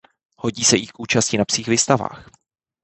Hodí se i k účasti na psích výstavách.